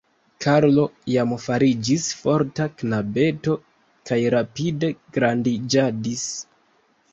Karlo jam fariĝis forta knabeto kaj rapide grandiĝadis.